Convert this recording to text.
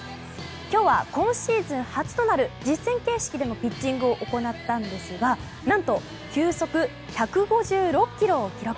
今日は今シーズン初となる実戦形式でのピッチングを行ったんですが何と球速１５６キロを記録。